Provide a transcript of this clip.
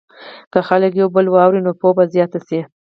که خلک یو بل واوري، نو پوهه به زیاته شي.